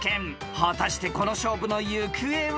［果たしてこの勝負の行方は？］